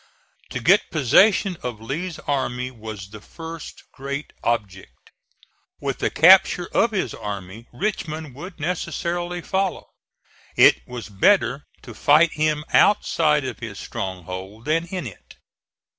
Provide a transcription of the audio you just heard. To get possession of Lee's army was the first great object. With the capture of his army Richmond would necessarily follow. It was better to fight him outside of his stronghold than in it.